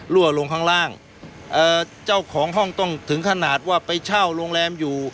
ลงข้างล่างเอ่อเจ้าของห้องต้องถึงขนาดว่าไปเช่าโรงแรมอยู่